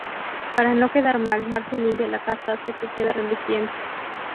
Para no quedar mal, Marge limpia la casa hasta que queda reluciente.